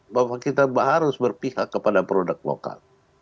bahwa kita harus berpihak kepada produk lokal